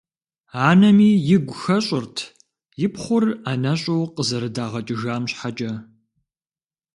Анэми игу хэщӏырт и пхъур ӏэнэщӏу къызэрыдагъэкӏыжам щхьэкӏэ.